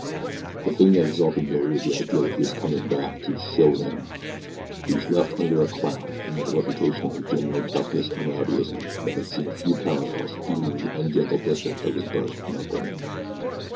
The thing that exalted Billy was the idea that he was coming back to SHOW THEM. He had left under a cloud and with a reputation for genuine toughness and rowdyism that has seen few parallels even in the ungentle district of his birth and upbringing.